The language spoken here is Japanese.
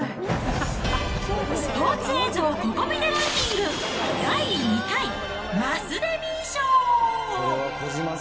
スポーツ映像ココ見てランキング、第２回マスデミー賞。